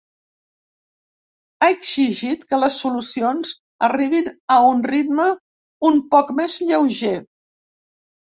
Ha exigit que les solucions arribin ‘a un ritme un poc més lleuger’.